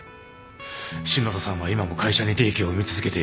篠田さんは今も会社に利益を生み続けている。